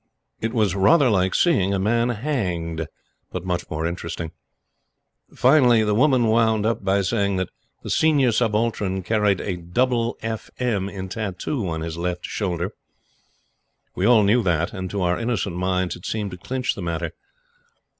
It was rather like seeing a man hanged; but much more interesting. Finally, the woman wound up by saying that the Senior Subaltern carried a double F. M. in tattoo on his left shoulder. We all knew that, and to our innocent minds it seemed to clinch the matter.